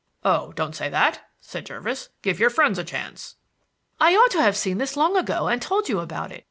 "Oh, don't say that," said Jervis. "Give your friends a chance." "I ought to have seen this long ago and told you about it.